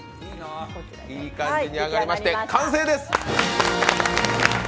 いい感じに揚がりまして完成です。